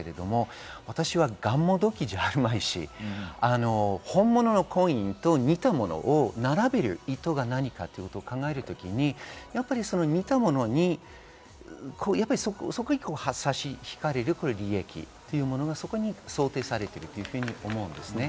私はがんもどきじゃあるまいし、本物の婚姻と似たものを並べる意図が何かということ考えるときに似たものに差し引かれる利益というものがそこに想定されているというふうに思います。